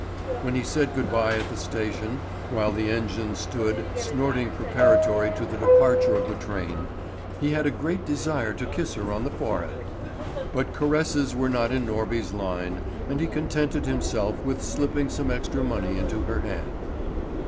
When he said good bye at the station, while the engine stood snorting preparatory to the departure of the train, he had a great desire to kiss her on the forehead; but caresses were not in Norby's line, and he contented himself with slipping some extra money into her hand.